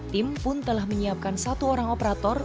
tim pun telah menyiapkan satu orang operator